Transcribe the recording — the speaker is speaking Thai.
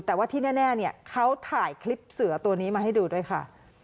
แต่ว่าที่แน่เนี่ยเขาถ่ายคลิปเสือตัวนี้มาให้ดูด้วยค่ะ